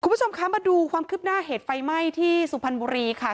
คุณผู้ชมคะมาดูความคืบหน้าเหตุไฟไหม้ที่สุพรรณบุรีค่ะ